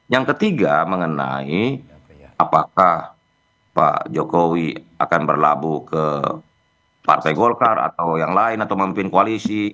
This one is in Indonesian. yang ketiga mengenai apakah pak jokowi akan berlabuh ke partai golkar atau yang lain atau memimpin koalisi